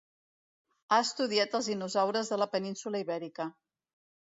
Ha estudiat els dinosaures de la península Ibèrica.